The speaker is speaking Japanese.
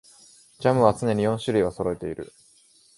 ジャムは常に四種類はそろえている